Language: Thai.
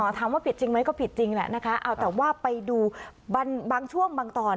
ถามว่าผิดจริงไหมก็ผิดจริงแหละนะคะเอาแต่ว่าไปดูบางช่วงบางตอน